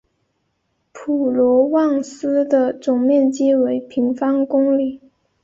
普罗旺斯的总面积为平方公里。